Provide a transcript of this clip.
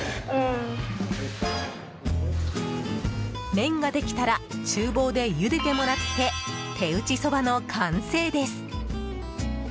麺ができたら厨房でゆでてもらって手打ちそばの完成です。